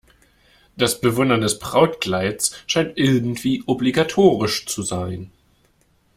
Das Bewundern des Brautkleids scheint irgendwie obligatorisch zu sein.